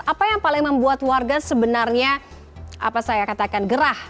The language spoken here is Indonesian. apa yang paling membuat warga sebenarnya apa saya katakan gerah